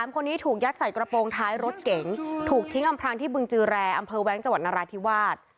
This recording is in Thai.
คนนี้ถูกยัดใส่กระโปรงท้ายรถเก๋งถูกทิ้งอำพรางที่บึงจือแรอำเภอแว้งจังหวัดนราธิวาส